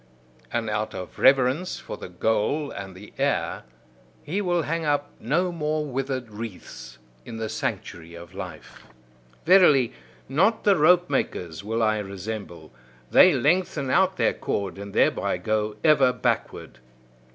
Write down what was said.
And out of reverence for the goal and the heir, he will hang up no more withered wreaths in the sanctuary of life. Verily, not the rope makers will I resemble: they lengthen out their cord, and thereby go ever backward.